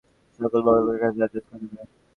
সকল বড়লোকের কাছে যাতায়াত করিবে।